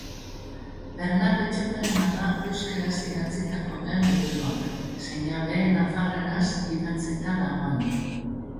Bernat Etxeparerena da euskaraz idatzitako lehen liburua, zeina behe nafarreraz idatzita dagoen.